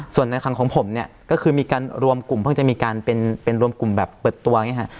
ส่วนในครั้งของผมเนี่ยก็คือมีการรวมกลุ่มเพิ่งจะมีการเป็นรวมกลุ่มแบบเปิดตัวอย่างนี้ค่ะ